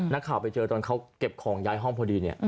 นักข่าวไปเจอตอนเขาเก็บของย้ายห้องพอดีเนี่ย